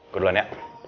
gue duluan ya